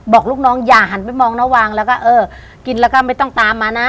บอกลูกน้องอย่าหันไปมองนวางแล้วก็เออกินแล้วก็ไม่ต้องตามมานะ